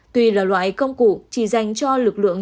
tuy là loại công cụ chỉ dành cho lực lượng